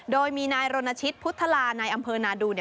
โดยมีนายรณชิตพุทธลานายอำเภอนาดู